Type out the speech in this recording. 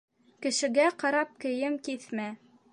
Кешегә ҡарап кейем киҫмә.